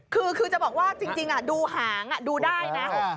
คือจะบอกว่าจริงดูหางดูได้นะ